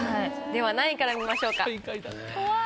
では何位から見ましょうか？